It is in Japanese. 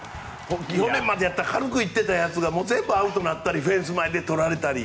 去年までだったら軽く行っていたやつが全部アウトになったりフェンス前でとられたり。